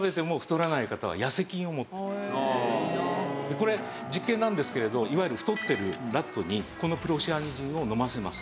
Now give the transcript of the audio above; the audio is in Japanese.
これ実験なんですけれどいわゆる太ってるラットにこのプロシアニジンを飲ませます。